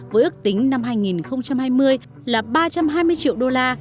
với ước tính năm hai nghìn hai mươi là ba trăm hai mươi triệu đô la